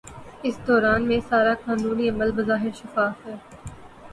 اس دوران میں سارا قانونی عمل بظاہر شفاف ہے۔